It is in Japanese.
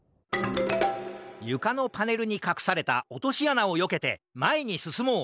ゆかのパネルにかくされたおとしあなをよけてまえにすすもう！